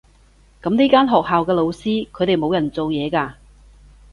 噉呢間學校嘅老師，佢哋冇人做嘢㗎？